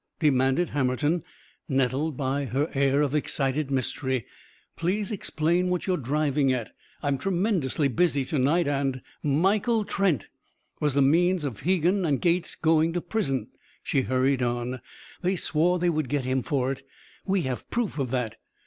demanded Hammerton, nettled by her air of excited mystery. "Please explain what you're driving at. I'm tremendously busy to night and " "Michael Trent was the means of Hegan and Gates going to prison," she hurried on. "They swore they would get him for it. We have proof of that.